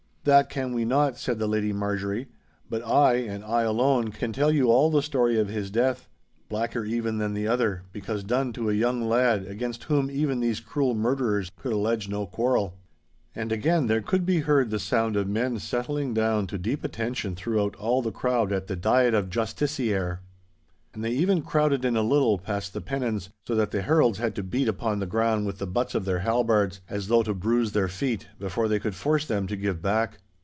'That can we not,' said the Lady Marjorie; 'but I, and I alone, can tell you all the story of his death—blacker even than the other, because done to a young lad against whom even these cruel murderers could allege no quarrel.' And again there could be heard the sound of men settling down to deep attention throughout all the crowd at the diet of Justiceaire. And they even crowded in a little past the pennons, so that the heralds had to beat upon the ground with the butts of their halbards, as though to bruise their feet, before they could force them to give back.